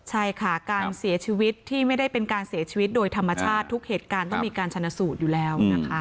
ใช่ค่ะการเสียชีวิตที่ไม่ได้เป็นการเสียชีวิตโดยธรรมชาติทุกเหตุการณ์ต้องมีการชนะสูตรอยู่แล้วนะคะ